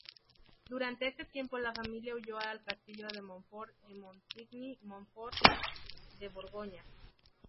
Durante ese tiempo la Familia huyó al Castillo de Montfort en Montigny-Montfort, de Borgoña.